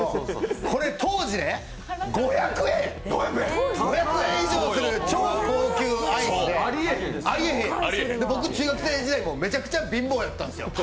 これ、当時５００円以上する超高級アイスで、僕、中学生時代、めちゃくちゃ貧乏やったんですよ。